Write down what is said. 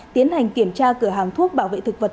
tiến hành kiểm tra cửa hàng thuốc bảo vệ thực vật